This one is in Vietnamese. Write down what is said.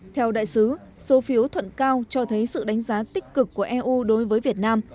theo đại sứ số phiếu thuận cao cho thấy sự đánh giá tích cực của eu đối với việt nam